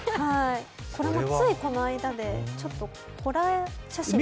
それもついこの間で、ちょっとホラー写真みたい。